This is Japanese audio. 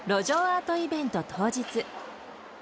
アートイベント当日。